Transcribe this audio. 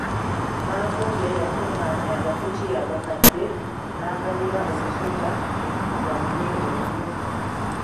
Nambobya yakunganya agakutiya agakadde naagalira omusota nga munyiivu nnyo.